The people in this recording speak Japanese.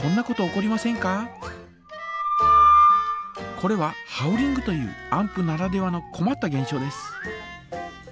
これはハウリングというアンプならではのこまったげん象です。